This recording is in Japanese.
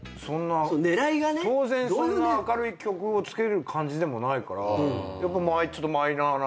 当然そんな明るい曲をつける感じでもないからやっぱちょっとマイナーな。